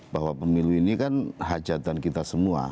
bahwa pemilu ini kan hajatan kita semua